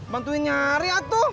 bantuin nyari atu